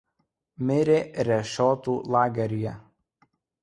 Mirė Rešiotų lageryje.